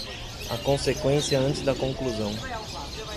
a conseqüência antes da conclusão.